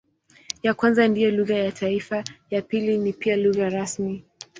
Ya kwanza ndiyo lugha ya taifa, ya pili ni pia lugha rasmi.